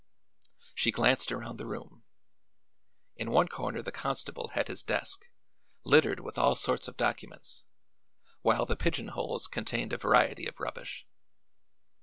She glanced around the room. In one corner the constable had his desk, littered with all sorts of documents, while the pigeon holes contained a variety of rubbish.